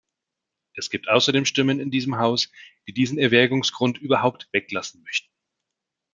Es gibt außerdem Stimmen in diesem Haus, die diesen Erwägungsgrund überhaupt weglassen möchten.